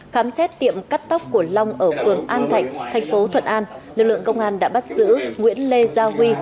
khám xét tiệm cắt tóc của long ở phường an thạnh thành phố thuận an lực lượng công an đã bắt giữ nguyễn lê gia huy